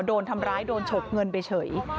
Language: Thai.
โดนทำร้ายโดนฉกเงินไปเฉย